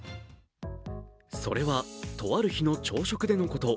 それは、とある日の朝食でのこと。